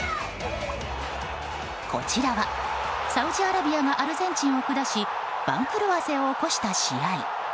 こちらはサウジアラビアがアルゼンチンを下し番狂わせを起こした試合。